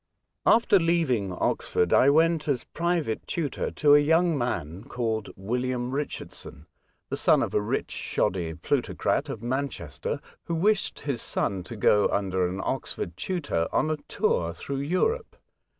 )i& «^# After leaving Oxford, I went as private tutor A Love Chajpter* 35 to a young man called William Richardson, the son of a rich shoddy plutocrat, of Manchester, who wished his son to go, under an Oxford tutor, on a tour through Europe.